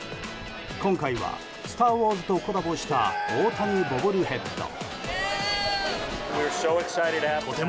今回は「スター・ウォーズ」とコラボした、大谷ボブルヘッド。